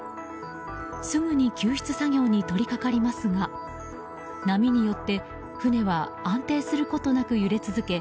すぐに救出作業に取り掛かりますが波によって船は安定することなく揺れ続け